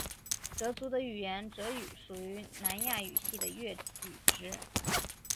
哲族的语言哲语属于南亚语系的越语支。